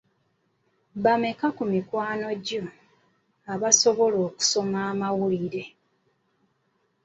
Bameka ku mikwano gyo abasobola okusoma amawulire?